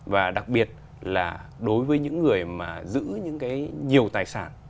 và đặc biệt là đối với những người mà giữ những cái nhiều tài sản